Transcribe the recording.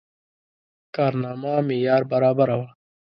کارنامه معیار برابره وه.